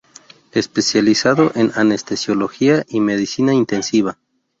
Especializado en Anestesiología y Medicina Intensiva.